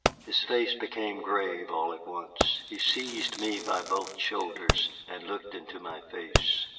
His face became grave all at once. He seized me by both shoulders, and looked into my face.